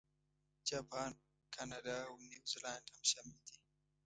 جاپان، کاناډا، او نیوزیلانډ هم شامل دي.